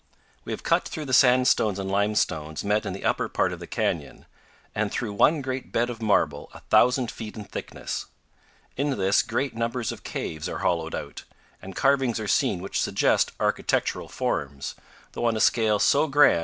We have cut through the sandstones and limestones met in the upper part of the canyon, and through one great bed of marble a thousand feet in thickness. In this, great numbers of caves are hollowed out, and carvings are seen which suggest architectural forms, though on a scale so grand that architec 239 powell canyons 154.